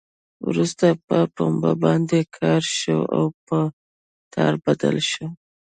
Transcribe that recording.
وروسته په پنبه باندې کار شوی او په تار بدل شوی.